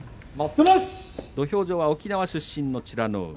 土俵上は沖縄出身の美ノ海。